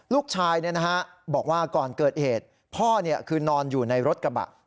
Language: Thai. ลูกชายบอกว่าก่อนเกิดเหตุพ่อคือนอนอยู่ในรถกระบะ